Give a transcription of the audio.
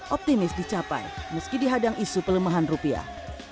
optimis dicapai meski dihadang isu pelemahan rupiah